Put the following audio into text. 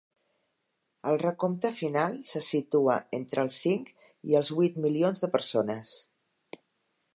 El recompte final se situa entre els cinc i els vuit milions de persones.